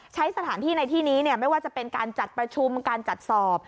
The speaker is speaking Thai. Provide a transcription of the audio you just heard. ใช้สถานที่ในที่นี้ไม่ว่าจะเป็นการจัดประชุมการจัดสอบ